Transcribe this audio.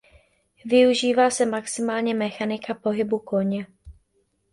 Využívá se maximálně mechanika pohybu koně.